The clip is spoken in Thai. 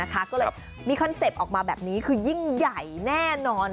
ก็เลยมีคอนเซ็ปต์ออกมาแบบนี้คือยิ่งใหญ่แน่นอน